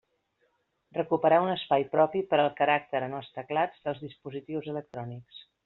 Recuperar un espai propi per al caràcter en els teclats dels dispositius electrònics.